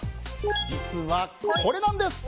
実は、これなんです。